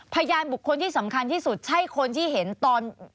พยานบุคคลที่สำคัญที่สุดใช่คนที่เห็นตอน